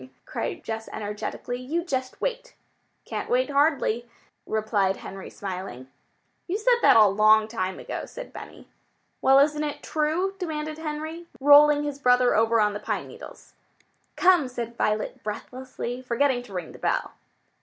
cried Jess energetically. "You just wait!" "Can't wait, hardly," replied Henry smiling. "You said that a long time ago," said Benny. "Well, isn't it true?" demanded Henry, rolling his brother over on the pine needles. "Come," said Violet breathlessly, forgetting to ring the bell.